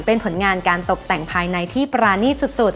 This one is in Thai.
เป็นผลงานการตกแต่งภายในที่ปรานีตสุด